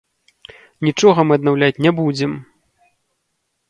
Нічога мы аднаўляць не будзем!